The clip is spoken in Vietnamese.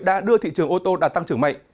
đã đưa thị trường ô tô đạt tăng trưởng mạnh